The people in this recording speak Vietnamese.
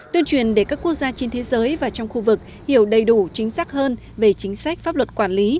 tuyên truyền để các quốc gia trên thế giới và trong khu vực hiểu đầy đủ chính xác hơn về chính sách pháp luật quản lý